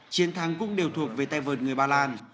chiến thắng cũng đều thuộc về tay vợt người ba lan